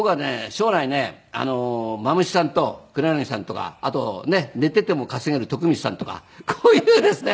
将来ねまむしさんと黒柳さんとかあとねえ寝ていても稼げる徳光さんとかこういうですね